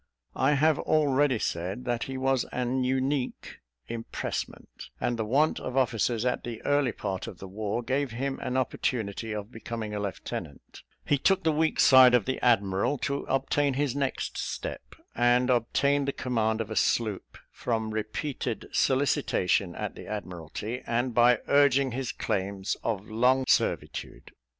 I have already said, that he was an unique. Impressment and the want of officers at the early part of the war, gave him an opportunity of becoming a lieutenant; he took the weak side of the admiral to obtain his next step, and obtained the command of a sloop, from repeated solicitation at the Admiralty, and by urging his claims of long servitude.